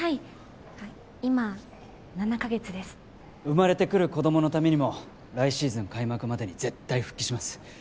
はい今７カ月です生まれてくる子供のためにも来シーズン開幕までに絶対復帰します